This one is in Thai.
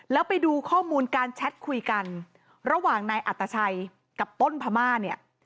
แล้วไปดูข้อมูลการแชทคุยกันระหว่างนายอัตชัยกับต้นพม่าเนี่ย